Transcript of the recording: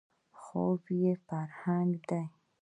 ، ځواب یې «فرهنګ» دی.